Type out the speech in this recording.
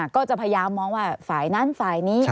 ก็จะพยายามมองว่าฝ่ายนั้นฝ่ายนี้